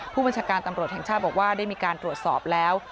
ผู้บัญชาการตำรวจแห่งชาติบอกว่าได้มีการตรวจสอบแล้ว